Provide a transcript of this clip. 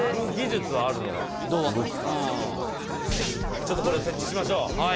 ちょっとこれ設置しましょう。